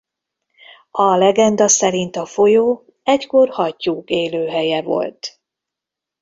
A legenda szerint a folyó egykor hattyúk élőhelye volt.